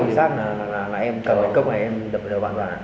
chính xác là em cầm cái cốc này em đập vào đầu bạn bạn